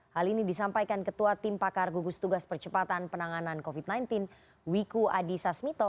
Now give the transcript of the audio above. hal ini disampaikan ketua tim pakar gugus tugas percepatan penanganan covid sembilan belas wiku adi sasmito